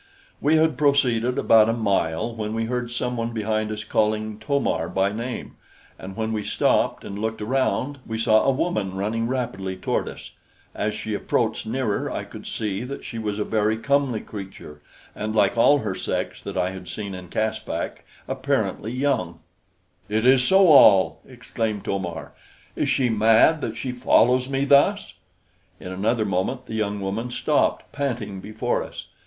We had proceeded about a mile when we heard some one behind us calling To mar by name, and when we stopped and looked around, we saw a woman running rapidly toward us. As she approached nearer I could see that she was a very comely creature, and like all her sex that I had seen in Caspak, apparently young. "It is So al!" exclaimed To mar. "Is she mad that she follows me thus?" In another moment the young woman stopped, panting, before us.